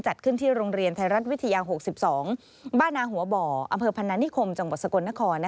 จัดขึ้นที่โรงเรียนไทยรัฐวิทยา๖๒บ้านนาหัวบ่ออำเภอพนานิคมจังหวัดสกลนคร